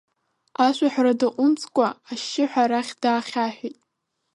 Ашәаҳәара даҟәымҵкәа, ашьшьыҳәа арахь даахьаҳәит.